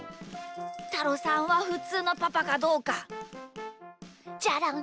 たろさんはふつうのパパかどうかチャラン！